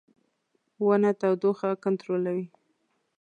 • ونه تودوخه کنټرولوي.